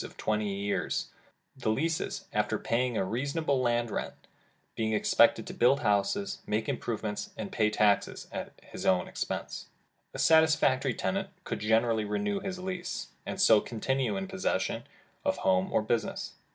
McClure Company Landlord and Airlord of twenty one years, the lessee, after paying a reason able land rent, being expected to build houses, make im provements, and pay taxes at his own expense. A satisfactory tenant could generally renew his lease, and so continue in possession of home or business.